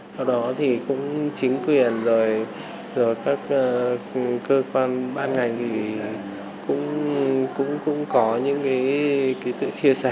sau đó thì cũng chính quyền rồi các cơ quan ban ngành thì cũng có những cái sự chia sẻ